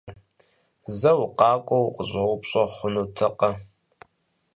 Зэ укъакӀуэу укъыщӀэупщӀэ хъунутэкъэ?